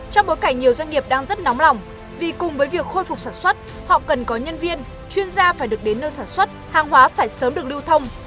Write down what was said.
trong bối cảnh nhiều doanh nghiệp đang rất nóng lòng vì cùng với việc khôi phục sản xuất họ cần có nhân viên chuyên gia phải được đến nơi sản xuất hàng hóa phải sớm được lưu thông